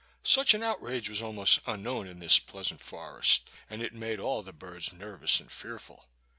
Such an outrage was almost unknown in this pleasant forest, and it made all the birds nervous and fearful.